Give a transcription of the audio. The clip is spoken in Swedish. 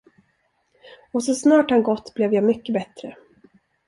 Och så snart han gått blev jag mycket bättre.